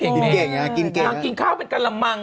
นางกินข้าวเป็นกะละมัง